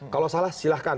kalau salah silahkan